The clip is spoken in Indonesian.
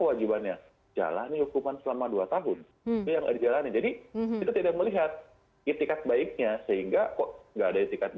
kewajibannya jalani hukuman selama dua tahun jadi tidak melihat etikat baiknya sehingga kok nggak ada